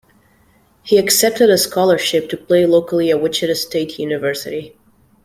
He accepted a scholarship to play locally at Wichita State University.